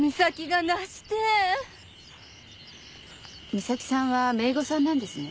美咲さんは姪御さんなんですね。